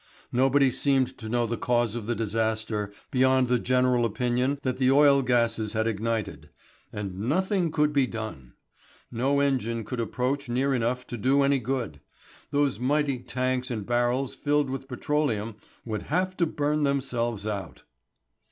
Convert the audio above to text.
Nobody seemed to know the cause of the disaster beyond the general opinion that the oil gases had ignited. And nothing could be done. No engine could approach near enough to do any good. Those mighty tanks and barrels filled with petroleum would have to burn themselves out.